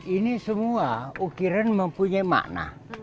ini semua ukiran mempunyai makna